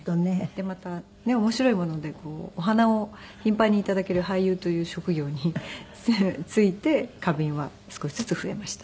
でまたねえ面白いものでお花を頻繁に頂ける俳優という職業に就いて花瓶は少しずつ増えました。